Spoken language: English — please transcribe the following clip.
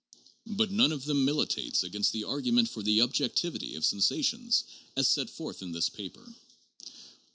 But none of them militates against the argu ment for the objectivity of sensations as set forth in this paper.